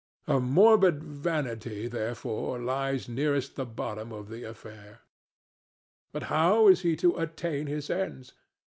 A morbid vanity, therefore, lies nearest the bottom of the affair. But how is he to attain his ends?